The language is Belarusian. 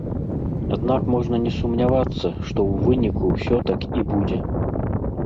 Аднак можна не сумнявацца, што ў выніку ўсё так і будзе.